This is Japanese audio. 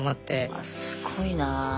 すごいな。